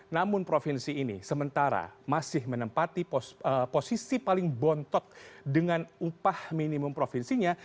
namun provinsi ini sementara masih menempati posisi paling bontok dengan upah minimum provinsinya